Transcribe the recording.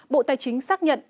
bộ tài chính xác nhận